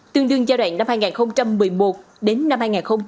tương đương giai đoạn năm hai nghìn một mươi một đến năm hai nghìn một mươi hai